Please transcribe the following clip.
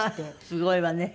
すごいわね。